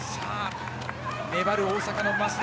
粘る大阪の増田。